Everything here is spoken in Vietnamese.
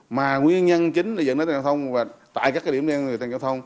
mà nguyên nhân chính là dẫn đến các điểm đen giao thông